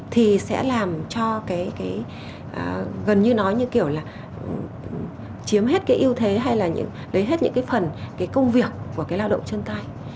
thì sẽ làm cho cái gần như nói như kiểu là chiếm hết cái ưu thế hay là lấy hết những cái phần cái công việc của cái lao động chân tay